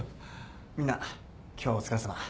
みんな今日はお疲れさま。